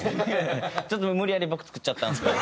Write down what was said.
ちょっと無理やり僕作っちゃったんですけど。